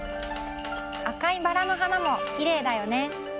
赤いバラのはなもきれいだよね。